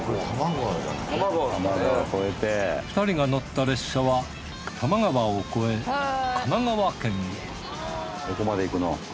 ２人が乗った列車は多摩川を越え神奈川県へどこまで行くの？